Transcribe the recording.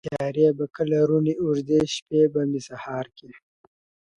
دا تیارې به کله روڼي اوږدې شپې به مي سهار کې ,